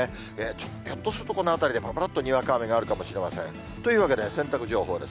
ひょっとするとこのあたりでぱらぱらっとにわか雨があるかもしれません、というわけで、洗濯情報です。